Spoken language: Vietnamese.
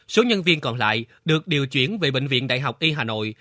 số nhân viên còn lại được điều chuyển về bệnh viện đại học y hà nội